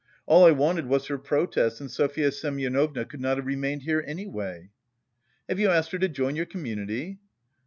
All I wanted was her protest and Sofya Semyonovna could not have remained here anyway!" "Have you asked her to join your community?"